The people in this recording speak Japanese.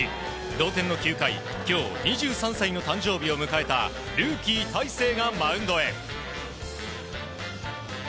同点の９回今日２３歳の誕生日を迎えたルーキー大勢がマウンドへ。